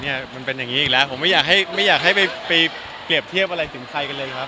มันเป็นอย่างนี้อีกแล้วผมไม่อยากให้ไม่อยากให้ไปเปรียบเทียบอะไรถึงใครกันเลยครับ